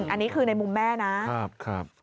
อันนี้คือในมุมแม่นะครับ